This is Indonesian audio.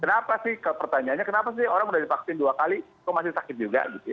kenapa sih pertanyaannya kenapa sih orang sudah divaksin dua kali kok masih sakit juga gitu ya